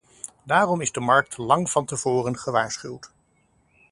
Daarom is de markt lang van tevoren gewaarschuwd.